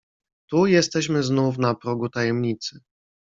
"Tu jesteśmy znów na progu tajemnicy."